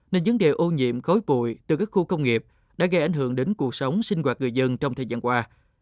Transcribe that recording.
nên vấn đề ô nhiễm khối bụi từ các khu công nghiệp đã gây ảnh hưởng đến cuộc sống sinh hoạt người dân trong thời gian qua